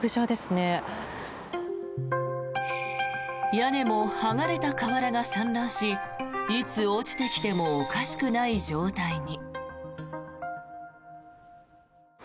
屋根も剥がれた瓦が散乱しいつ落ちてきてもおかしくない状態に。